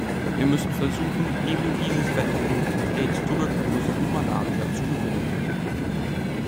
Wir müssen versuchen, eben dieses Wettrennen mit Aids, Tuberkulose und Malaria zu gewinnen.